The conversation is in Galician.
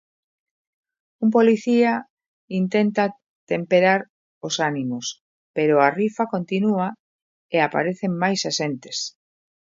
Un policía intenta temperar os ánimos, pero a rifa continúa e aparecen máis axentes.